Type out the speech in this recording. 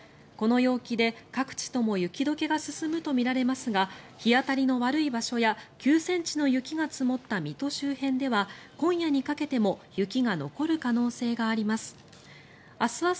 この陽気で各地とも雪解けが進むとみられますが日当たりの悪い場所や９ｃｍの雪が積もった水戸周辺では今夜にかけても雪が残る可能性があります。